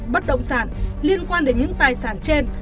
bất động sản liên quan đến những tài sản trên